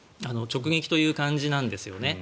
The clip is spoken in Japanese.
直撃という感じなんですよね。